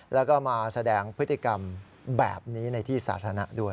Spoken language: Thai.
แล้วก็มาแสดงพฤติกรรมแบบนี้ในที่สาธารณะด้วย